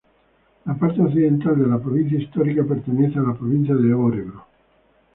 La parte occidental de la provincia histórica pertenece a la provincia de Örebro.